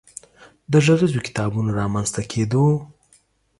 د غږیزو کتابونو رامنځ ته کېدو